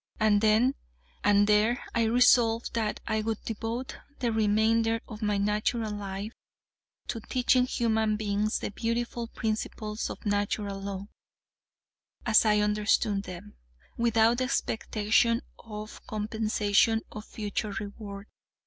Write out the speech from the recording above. And then and there I resolved that I would devote the remainder of my natural life to teaching human beings the beautiful principles of Natural Law, as I understood them, without expectation of compensation or future reward.